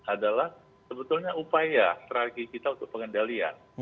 adalah sebetulnya upaya strategi kita untuk pengendalian